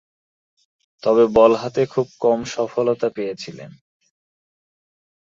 তবে বল হাতে খুব কমই সফলতা পেয়েছিলেন।